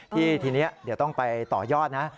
ที่ทีนี้เดี๋ยวต้องไปต่อยอดนะ